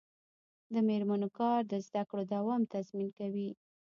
د میرمنو کار د زدکړو دوام تضمین کوي.